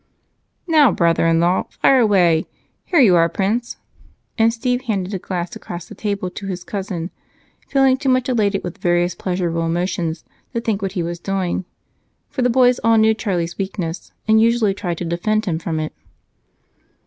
"Now, brother in law, fire away! Here you are, Prince." And Steve handed a glass across the table to his cousin, feeling too much elated with various pleasurable emotions to think what he was doing, for the boys all knew Charlie's weakness and usually tried to defend him from it.